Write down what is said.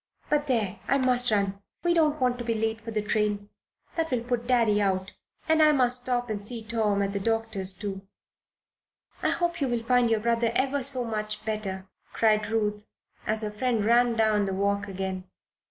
"But there! I must run. We don't want to be late for the train. That will put Daddy out. And I must stop and see Tom at the doctor's, too." "I hope you will find your brother ever so mach better," cried Ruth, as her friend ran down the walk again.